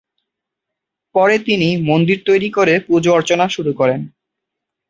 পরে তিনি মন্দির তৈরি করে পুজো অর্চনা শুরু করেন।